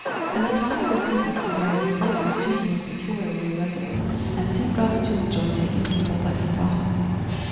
In the time of his visits to various places, too, he was peculiarly irregular, and seemed rather to enjoy taking people by surprise.